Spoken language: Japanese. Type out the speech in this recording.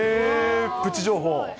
プチ情報。